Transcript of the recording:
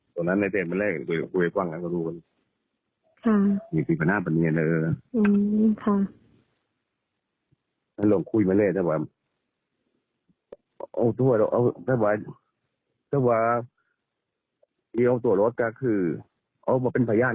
แล้วเขาก็เกี่ยวกับชื่นทุษฎพคนของนายพรรยาณ